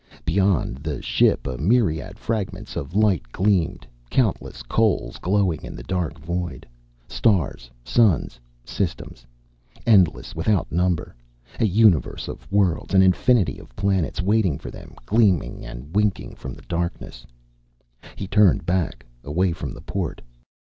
Beyond the ship a myriad fragments of light gleamed, countless coals glowing in the dark void. Stars, suns, systems. Endless, without number. A universe of worlds. An infinity of planets, waiting for them, gleaming and winking from the darkness. He turned back, away from the port.